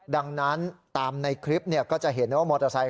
ดังนั้นตามในคลิปก็จะเห็นว่ามอเตอร์ไซค